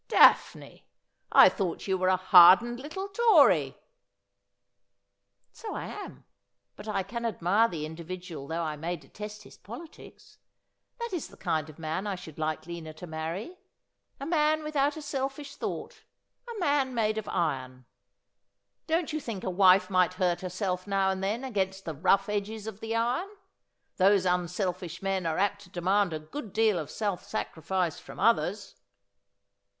' Daphne, I thought you were a hardened little Tory !'' So I am ; but I can admire the individual though I may detest his politics. That is the kind of man I should like Lina to marry : a man without a selfish thought, a man made of iron.' ' Don't you think a wife might hurt herself now and then against the rough edges of the iron ? Those unselfish men are apt to demand a good deal of self sacrifice from others.'